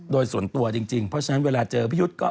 โดยส่วนตัวจริงเพราะฉะนั้นเวลาเจอพี่ยุทธ์ก็